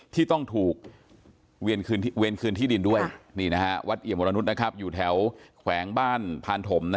ที่ต้องถูกเวียนคืนที่ดินด้วยวัดเอี่ยมวรนุษย์อยู่แถวแขวงบ้านพานถม